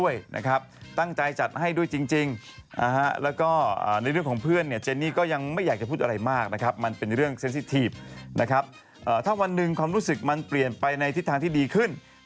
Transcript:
ยังนะยังมีเรื่องต้องคิดอยู่